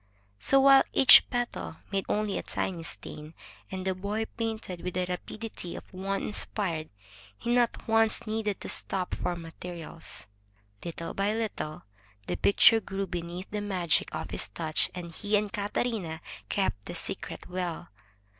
So, while each petal made only a tiny stain, and the boy painted with the rapidity of one inspired, he not once needed to stop for materials. Little by httle the picture grew beneath the magic of his touch, and he and Catarina kept the secret well.